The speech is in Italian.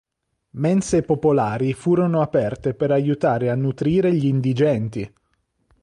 Mense popolari furono aperte per aiutare a nutrire gli indigenti.